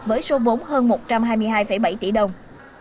với số vốn hơn một trăm hai mươi hai bảy tỷ đồng